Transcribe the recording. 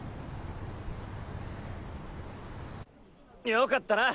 良かったな。